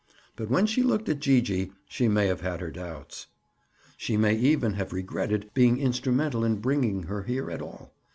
But when she looked at Gee gee she may have had her doubts. She may even have regretted being instrumental in bringing her here at all.